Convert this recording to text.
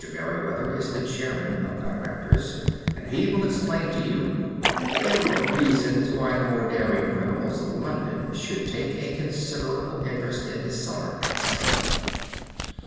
Merryweather is the chairman of directors, and he will explain to you that there are reasons why the more daring criminals of London should take a considerable interest in this cellar at present."